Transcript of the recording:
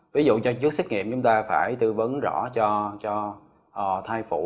ví dụ cho trước xét nghiệm chúng ta phải tư vấn rõ cho thai phụ